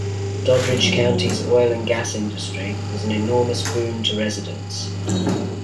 Doddridge County's oil and gas industry was an enormous boon to residents.